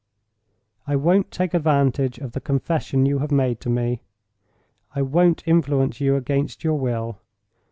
I won't take advantage of the confession you have made to me; I won't influence you against your will.